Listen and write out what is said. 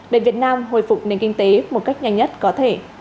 để việt nam hồi phục nền kinh tế một cách nhanh nhất có thể